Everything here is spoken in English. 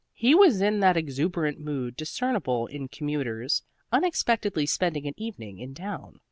He was in that exuberant mood discernible in commuters unexpectedly spending an evening in town.